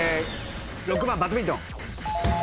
６番バドミントン。